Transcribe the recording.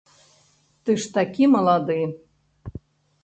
Ты ж такі малады!